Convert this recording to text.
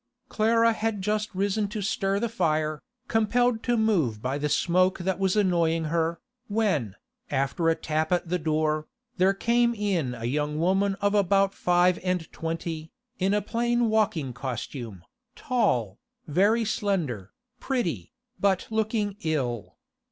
Clara had just risen to stir the fire, compelled to move by the smoke that was annoying her, when, after a tap at the door, there came in a young woman of about five and twenty, in a plain walking costume, tall, very slender, pretty, but looking ill.